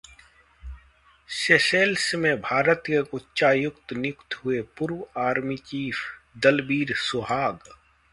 Seychelles में भारत के उच्चायुक्त नियुक्त हुए पूर्व आर्मी चीफ दलबीर सुहाग